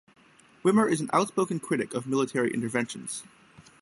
Wimmer is an outspoken critic of military interventions.